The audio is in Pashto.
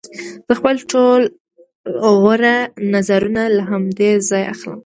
زه خپل ټول غوره نظرونه له همدې ځایه اخلم